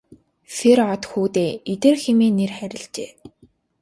Сэр-Од хүүдээ Идэр хэмээн нэр хайрлажээ.